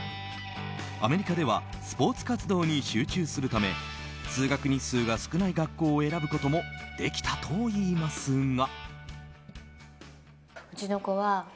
アメリカではスポーツ活動に集中するため通学日数が少ない学校を選ぶこともできたといいますが。